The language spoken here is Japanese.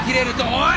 おい！